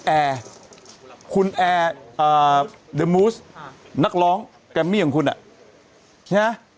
แอร์คุณแอร์อ่านักร้องแกมมี่ของคุณอ่ะใช่ไหม